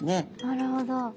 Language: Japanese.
なるほど。